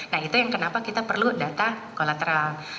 nah itu yang kenapa kita perlu data kolateral